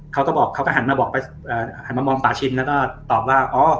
เขาก็หันมาบอกหันมามองป่าชินแล้วก็ตอบว่า